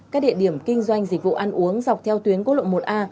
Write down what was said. các địa điểm kinh doanh dịch vụ ăn uống dọc theo tuyến cốt lộ một a